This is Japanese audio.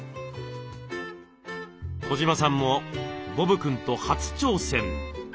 児島さんもボブくんと初挑戦。